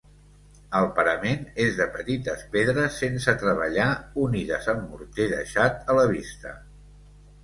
El parament és de petites pedres sense treballar unides amb morter deixat a la vista.